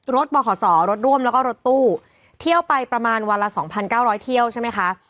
บขรถร่วมแล้วก็รถตู้เที่ยวไปประมาณวันละ๒๙๐๐เที่ยวใช่ไหมคะ